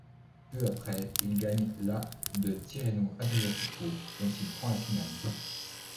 Peu après, il gagne la de Tirreno-Adriatico, dont il prend la finale.